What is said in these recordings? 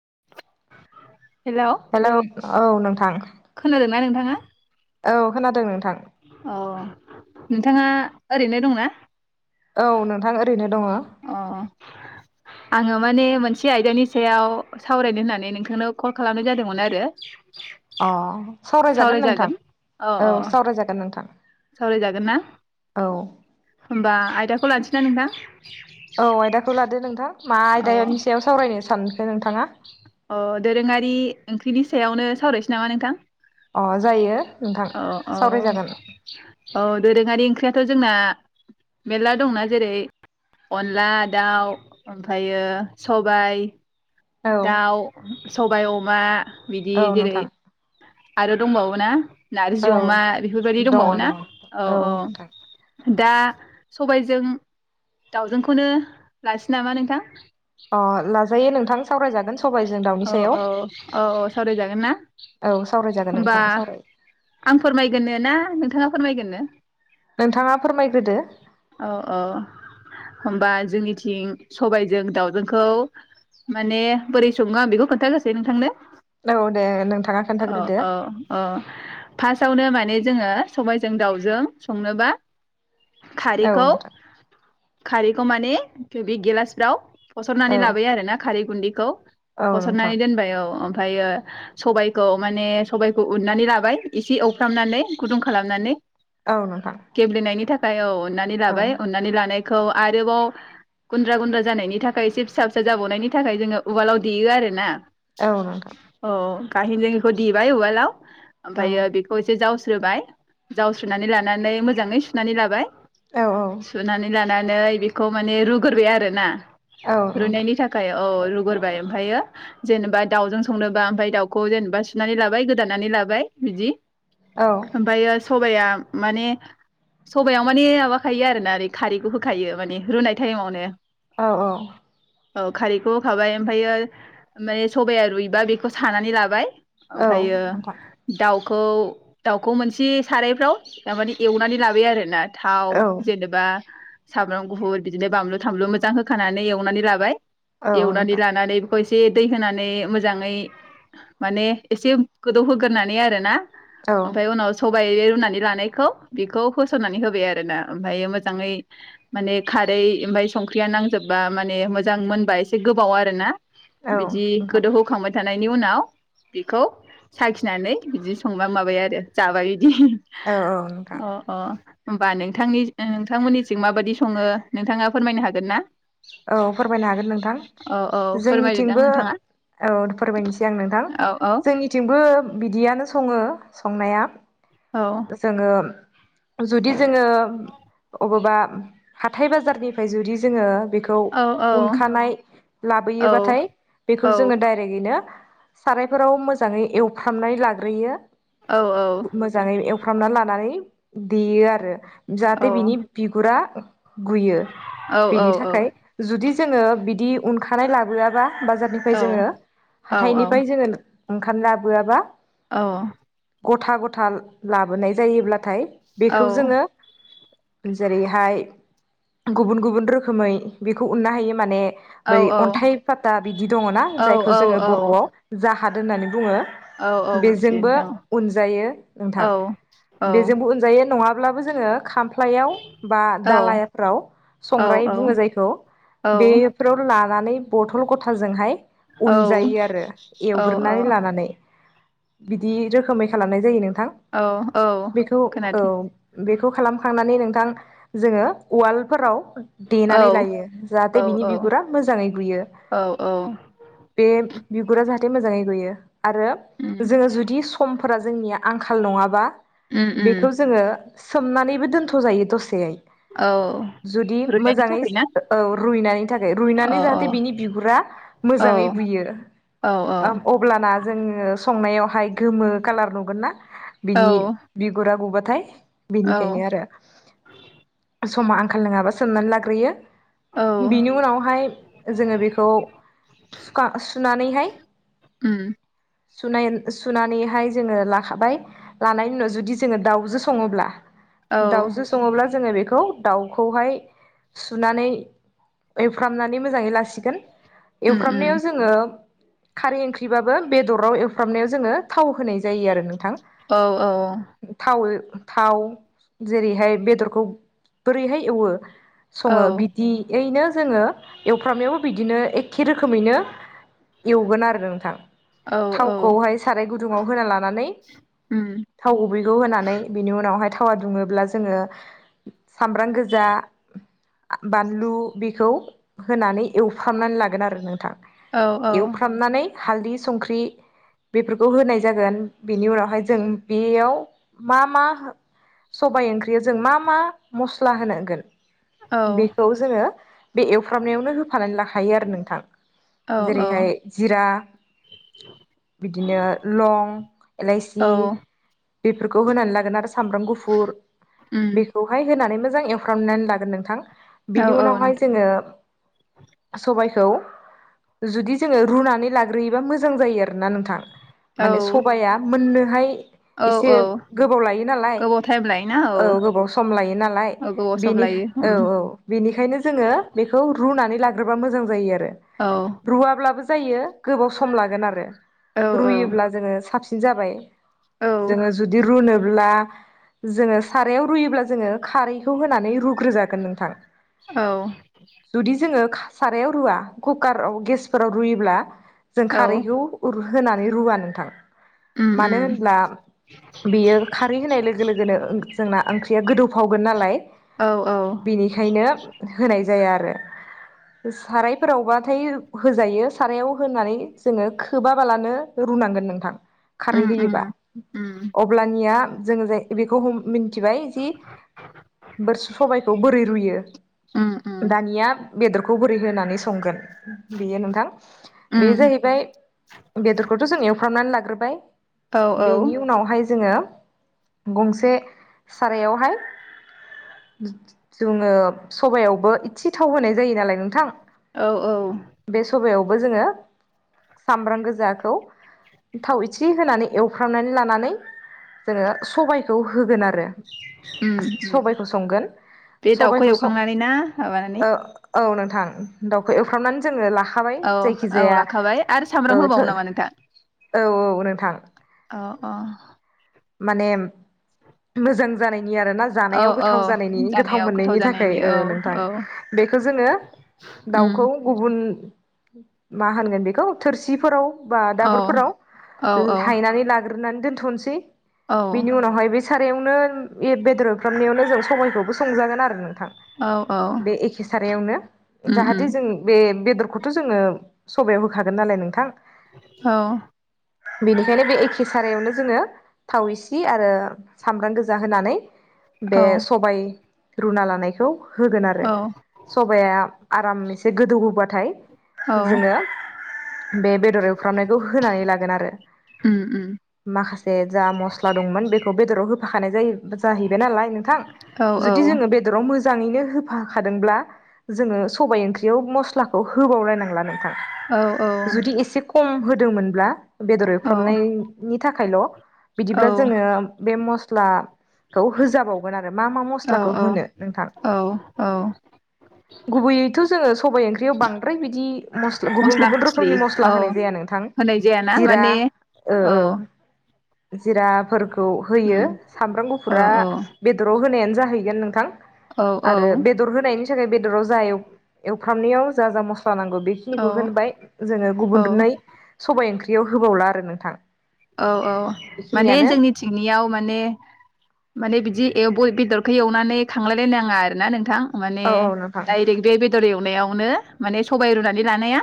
[inaudible] Hello औ नोंथां ना नोंथाङा? औ खोनादों नोंथां औ नोंथाङा ओरैनो दंना? औ नोंथां ओरै अ आङो माने मोनसे आयदानि सायाव सावरायनो होननानै नोंथांनाव कल खालामनाय जादोंमोन आरो अ सावरायजागोन नोंथां अ अ औ सावरायजागोन नोंथां सावरायजागोन ना औ देखौ लानोसै ना नोंथां [inaudible] औ आयदाखौ लादो नोंथां। मा अ आयदानि सायाव सावरायनो सानखो नोंथाङा? अ दोरोङारि ओंख्रिनि सायावनो सावरायसै नामा नोंथां? अ। जायो नोंथां अ औ सावरायजागोन औ। दोरोङारि ओंख्रियाथ' जोंना मेरला दंना जेरै अनला दाउ ओमफायो सबाय औ दाउ सबाय अमा बिदि औ जेरै नोंथां आरो दंबावो ना? नारजि औ अमा बेफोरबायदि दङ दंबावोना दङ औ औ। नोंथां दा सबायजों दाउजोंखौनो लासै नामा नोंथां? अ लाजायो नोंथां। सावरायजोन। औ औ औ औ सावरायजागोन ना? औ सावरायजागोन होनबा नोंथां सावराय आं फोरमायगोननो ना नोंथाङा फोरमायगोरनो? नोंथाङा फोरमायग्रोदो। औ औ होनबा जोंनिथिं सबायजों दाावजोंखौ माने बोरै सङो आं बेखौ खोन्थागोसै नोंथांनो। औ दे नोंथाङा ओ खोन्थाग्रोदो ओ ओ फासावनो माइ नानै जोङो सबायजों दावजों संनोबा औ खारिखौ नोंथां खारैखौ माने थे बे गिलासफ्राव फसरनानै औ लाबोबाय आरो ना खारै गुन्दिखौ औ नोंथां फसरनानै दोनबाय औ ओम। फायो सबाइखौ माने सबाइखौ उननानै लाबाय एसे एवफ्रामनानै गुदुं खालामनानै। औ नोंथां गेब्लेनायनि थाख खाय औ उननानै औ लाबाय उननानै लानाय खौ आरोबाव गुन्द्रा गुन्द्रा जानायनि थाखाय एसे फिसा फिसा जाबावनायनि थाखाय जोङो उवालाव देयो आरोना। औ नोंथां औ। गाहिनजों इखौ देबाय उवालाव। औ ओमफायो बेखौ एसे जावस स्रोबाय जावस्रोनानै लानानै मोजाङै सुनानै लाबाय। औ सुनानै लाना नै बेखौ माने रुगोरबाय आरोना। औ नोंथां रुइनायनि थाखाय औ रुगोरबाय ओमफायो जेनेबा दाउजों संनोबा ओमफाय दाउखौ जेनेबा सुनानै लाबाय गोदानानै लाबाय बिदि औ ओमफायो सबाइया माने सबायाव माने माबा खायो आरो ना ओरै खारैखौ होखायो माने रुनाय टाइमावनो। औ औ। औ खारैखौ होखाबाय ओमफायो माने सबाया रुइबा बेखौ सानानै लाबाय। औ ओमफायो नोंथां दाउ खौ दाउखौ मोनसे सारायफ्राव थारमाने एवनानै लाबाय आरोना। औ। आ सामब्राम गुफुर बिदिनो बामलु थामलु मोजां होखानानै एवनानै लाबाय। औ नोंथां औ एवनानै नोंथां लानानानै बेखौ एस से दै होनानै मोजाङै माने एसे गोदौहोगोरनानै आरो ना । ओमफाय उनाव सब बाय रुनानै लानायखौ बेखौ होसननानै होबाय आरो ना। ओमफायो मोजाङै माने खारै ओमफाय संख्रिया नांजोबबा माने मोजां मोनबा एसे गोबाव आरो ना। बिदि गोदौ होखांबाय थानायनि उनाव बेखौ साखिनानै बिदि संबा माबाया आरो जाबाय [unintelligible] औ औ नोंथां अ अ होमबा नों थांनि ओ नोंथां मोननिथिं माबायदि सङो नोंथाङा फोरमायनो हागोन ना? औ फोरमायनो हागोन नोंथां औ औ फोरमायदोदां जोंनिथिंबो नोंथाङा औ फोरमायनिसै आं नोंथां औ औ जोंनिथिंबो बिदियानो सङो संनाया औ जोङो जुदि जोङो अबेबा हाथाय बाजार निफ्राय जुदि जोङो बे खौ औ उनखानाय औ लाबोयो बाथाय औ बेखौ जोङो दाइरेगैनो साराय फोराव मोजाङै एवफ्रामनाय लाग्रोयो। औ मोजाङै एव फ्रामना लानानै देयो आरो। औ जाहाथे बिनि बिगुरा गुयो औ बेनि थाखाय जुदि जोङो बिदि उनखानाय लाबो आबा बाजार निफ्राय जोङो हाथाइ निफ्राय जोङो ओंखाम लाबोआबा । औ औ गथा गथा लाबोनाय जायोब्लाथाय । बेखौ जोङो । जेरैहाय गुबुन गुबुन रोखोमै । बेखौ उन्नो हायो माने । बै अन्थाइ पाता बिदि दङना औ जायखौ जोङो बर'आव जाह हाद होननानै बुङो । औ औ मिथियो बेजोंबो नोंथां उनजायो नोंथां औ बेजोंबो उनजायो नङा ब्लाबो जोङो खाम फ्लायाव बा औ दालायफ्राव औ संग्राय बुङो जायखौ औ खौ बेफोराव ला नानै बथल गथाजोंहाय । औ उनजायो आरो एवग्रोनानै लानानै । बिदि रोखोमै खालामनाय जायो नों थां औ बेखौ औ खोनादों बेख खौ खालामखांनानै नोंथां जोङो उवालफोराव औ देनानै । लायो औ जाहाते बिनि औ बिगुरा मोजाङै गुयो औ औ बे बिगुरा जाहाथे मोजाङै गुयो। आरो उम जोङो जुदि समफोरा । जोंनिया आंखाल नङाबा उम उम बेखौ जोङो । सोमनानैबो दोनथ'जायो दसेहाय । औ रुनायनि थाखाय ना? औ रुइनायनि थाखाय औ रुइनानै जाहाथे औ बिनि बिगुरा औ मोजाङै गुयो औ ओ अब्लाना जोङो संनायावहाय गोमो कालार नुगोन ना । औ बिनि बिगुरा गुबा । ओमफ्राय बेनिखायनो आरो । समा आंखाल नङाबा सोमनानै लाग्रोयो । औ बिनि उनावहाय जोङो बेखौ सुखा सुनानैहाय । उम सुनाय सुनानैहाय जोङो लाखाबाय लानायनि उनाव जुदि जोङो दाउजो सङोब्ला । औ दाावजो सङोब्ला जोङो बेख खौ दाउखौहाय सुनानै एफ्रामनानै मोजाङै लासिगोन। उम एवफ्रामनायाव उम जोङो खारै ओंख्रिबाबो बेदराव एवफ्रामनायाव जोङो थाव होनाय जायो आरो नोंथां। औ थाव ओ थाव जेरैहाय बेदरखौ बोरैहाय एवो? औ सङो बि एयैनो जोङो एवफ्रामनायाव बिदिनो एखे रोखोमैनो एवगोन आरो नोंथां। औ औ थावखौहाय साराय गुद दुङाव होना ला नानै उम थाव गुबैखौ होनानै बिनि उनावहाय था थावा दुङोब्ला जोङो सामब्राम गोजा बानलु बेखौ होनानै एवफ्रामनानै लागोन आरो नोंथां। औ औ एवफ्रामनानै हालदै संख्रि बेफोरखौ होनाय जागोन। बेनि उनावहाय जों बेयाव मा मा हो सबाय ओंख बियाव जों मा मा मस्ला होनोगोन? औ बेखौ जोङो बे एवफ्रामनायावनो होफ फानानै लाखायो आरो नोंथां। औ औ जेरैहाय जिरा बिदिनो लं एलाइसि बेफोरखौ होनानै लागोन आरो स सामब्राम गुफुर उम बेखौहाय होनानै मोद जां एवफ्रामनानै लागोन नोंथां। औ बिनि उनावहाय जोङो सबायखौ जुदि जोङो रुनानै लाग्रोयोबा मोजां जायो आरोना नोंथां। औ माने सबाया मोननो हाय औ एसे औ गोबाव लायो नालाय। गोबाव टाइम लायोना औ गोबाव सम लायो नालाय औ गोबाव सम बेनि लायो औ उम औ बेनिखायनो जोङो बेखौ रु रुनानै लाग्रोबा मोजां जायो आर औ रो रुवाब्लाबो जायो गोबाव सम लागोन आरो। औ रुयोब्ला जोङो साबस जाबाय। औ जोङो जुदि रुनोब्ला जोङो सारायाव रुयोब्ला जोङो खारैखौ होनानै रुग्रोजागोन नोंथां जुदि जोङो सारायाव रुवा कुकाराव गेसफोराव रुयोब्ला जों औ खारैखौ उर होनानै रुवा नोंथां उम मानो उम होनब्ला बेयो खारै होनाय लोगो लोगोनो जोंना ओंख्रिया गोदौफावगोन नालाय औ औ बेनिखाय होयनो होनाय जाया आरो सारायफोरावबाथाय होजायो सारायाव होनानै जोङो खोबाबालानो रुनांगोन नोंथां खारै उम उम होयोबा उम अब्लानिया जोङो जाय बेखौ मिथिबाय जि बोरसु सबायखौ रुयो उम उम दानिया बेदरखौ बोरै होनानै संगोन बेयो नोंथां बे उम जाहैबाय बेदरखौथ' जों एवफ्रामनानै लाग्रोबाय औ बेनि उनावहाय जोङो गंसे सारायावहाय जोङो सबायावबो इसे थाव होनाय जायो नालाय नोंथां औ औ बो जोङो सामब्राम गोजाखौ थाव इसे होनानै एवफ्रामनानै लानानै जोङो सबबायखौ होगोन आरो उम उम सबायखौ संगोन बे दाउखौ सबायखौ सं एवखांनानै ना ओ माबानानै औ नोंथां दाउखौ एवफ्रामनानै जोङो ला लाखाबाय औ जायखि औ जाया लाखाबाय आरो औ सामब्राम होबावो थ' नामा नोंथां? औ औ नोंथां अ अ माने मोजां जानायनि आरोना औ जानायाव औ गोथाव जानायनि गोथाव जानायाव मोननायनि थाखाय जानायनि औ नोंथां औ बेखौ जोङो उम दाउखौ गुबुन मा होनगोन बेखौ थोरसिफोराव बा औ औ दाबोरफोराव हायनानै ला नानै दोनथ'नोसै औ बिनि उनावहाय बे सारायावनो बेदर खालामनायावनो जों सबबायखौबो संजागोन आ नोंथां औ औ बे एखे सारायावनो उम उम जाहाथे जों बे बेदरखौथ' जोङो सबायाव होखागोन नालाय नोंथां। औ बेनिखायनो बे एखे सारायावनो जोंङो थाव इसि आरो सामब्राम गोजा होनानै बे औ सबाय रुना लानायखौ होगोन आरो औ सबाया आराम एसे गोदौ होबाथाय औ जोंङो बे बेदर एवफ्रामनायखौ होनानै लागोन आरो उम उम माखासे मसला दंमोन बेखौ बेदराव हो बाखानाय जायो जाहैबाय नालाय नोंथां औ औ जुदि जोंङो बेदराव मोज मोजाङैनो होफाखादोंब्ला जोंङो सबायाइ ओंख्रियाव मस्लाखौ होबावलायनांला नों औ औ औ जुदि एसे खम हो होदोंमोनब्ला बेदर एवफ्रामनायनि थाखायल' बिदिब्ला जोंङो बे मस [unintelligible] खौ होजाबावगोन आरो मा मा मस्लाखौ औ होनो नोंथां औ औ गुबैयैथ' जोंङो सबाइ ओंख्रियाव बांद्राय बिदि मस्ला गुबुन गुबुन मस्लि रोखोमनि मस्ला औ होनाय जाया नोंथां होनाय जायाना जिरा माने ओ औ ओ जिराफोर ओ होयो उम सामब्राम औ गुफुरा औ बेदराव होनायानो जाहैगोन नोंथां। औ आरो बेदर होनायनि बेदराव जा एव एवफ्रामनायाव जा जा मस नांगौ बेखिनिखौ औ होनबाय जोंङो औ गुबुनै सबाइ ओंख्रि बियाव होबावला आरो नोंथां औ औ माने बेखिनियानो जोंनि थिंनियाव माने माने बिदि ए ब बेदरखौ एवनानै खांलायलायनो नाङा आरोना नोंथां माने औ नोंथां डायरेक्ट बे बेदर एवनायाव अनो माने सबायाइ रुनानै लानाया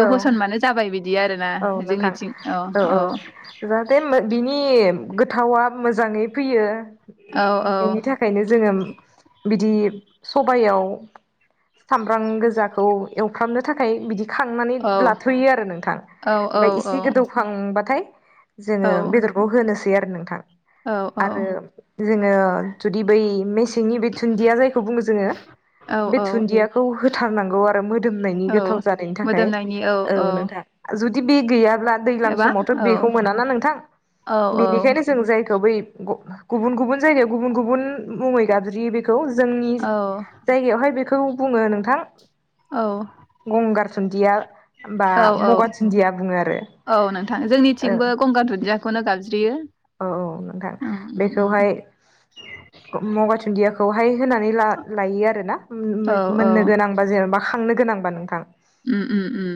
औ होसनबानो जाबाय बिदि आरो ना औ नोंथां जोंनिथिं औ औ जाहाथे बिनि गोथावा मोजाङै फैयो। औ बेनि थाखायनो जोंङो बिदि सबयाव सामब्राम गोजाखौ एवफ्रामनो थाखाय बिदि, खांनानै औ लाथ'यो आरो नोंथां औ औ ओमफाय औ एसे गोदौखां बाथाय, जोङो औ बेदरखो होनोसै ए आरो नोंथां आरो जोङो जुदि बै मेसेंनि बे दुन्दिया जायखौ बुङो जोङो औ बे औ दुन्दियाखौ होथारनांगौ आरो मोदोमनायनि औ गोथाव जानायनि थाखाय औ नोंथां, जुदि बे गैया, अब्ला दैज्लां एबा समावथ' औ बेखौ मोना ना नोंथां औ औ बेनिखायनो जों जायखौ बै, गुबुन गुबुन जायगायाव गुबुन गुबुन मुङै गाबज्रि बे खौ जोंनि औ जायगायावहाय बे खौ बुङो नोंथां, औ गंगार दुन्दिया बा औ मगाथि औ नोंथां जोंनिथिंबो गंगार दुन्दिया बेखौनो गाबज्रियो, औ औ नोंथां बेखौहाय मगा दुन्दियाखौहाय होनानै लायो आरो ना औ औ मोननो गोनां बा जेन'बा खांनो गोनां, बा नोंथां उम उम उम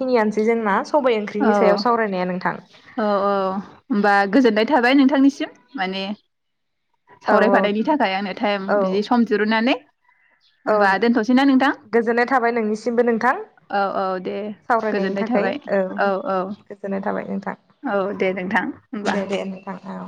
खिनियानोसै जोंना, सबाइ औ ओंख्रिनि सायाव सावरायनाया नोंथां औ औ होनबा गोजोननाय, थाबाय नोंथांनिसिम माने, औ सावरायफानायनि थाखाय आंनो टाइम औ बिदि सम दिरुननानै औ होमबा दोनथ'सैना नोंथां गोजोननाय थाबाय नोंनिसिमबो नोंथां औ औ दे सावरायनायनि गोजोनबाय थाखाय थाबाय, औ औ गोजोननाय थाबाय नोंथां औ दे नोंथां ओनबा, दे दे नोंथां औ